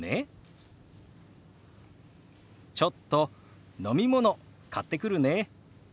「ちょっと飲み物買ってくるね」。